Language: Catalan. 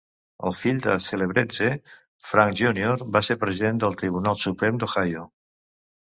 El fill de Celebrezze, Frank Junior va ser President del Tribunal Suprem d'Ohio.